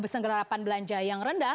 serapan belanja yang rendah